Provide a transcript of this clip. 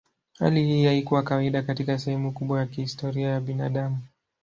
Hali hii haikuwa kawaida katika sehemu kubwa ya historia ya binadamu.